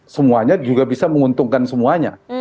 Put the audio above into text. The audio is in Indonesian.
semuanya juga bisa menguntungkan semuanya